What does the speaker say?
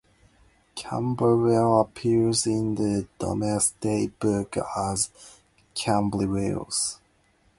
Camberwell appears in the Domesday Book as "Cambrewelle".